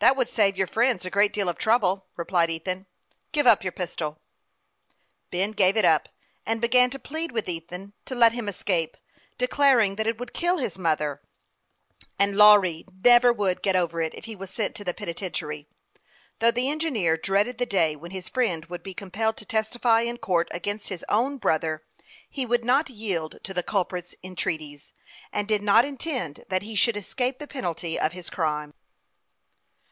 That would save your friends a great deal of trouble," replied Ethan. " Give up your pistol !" Ben gave it up, and began to plead with Ethan to let him escape, declaring that it would kill his moth er, and Lawry never would get over it, if he was sent to the penitentiary. Though the engineer dread ed the day when his friend would be compelled to testify in court against his own brother, he would 300 HASTE AND WASTE, OR not yield to the culprit's entreaties, and did not intend that he should escape the penalty of his crime.